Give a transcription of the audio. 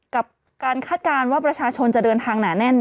กับการคาดการณ์ว่าประชาชนจะเดินทางหนาแน่น